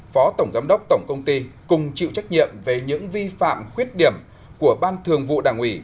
phó tổng giám đốc tổng công ty cùng chịu trách nhiệm về những vi phạm khuyết điểm của ban thường vụ đảng ủy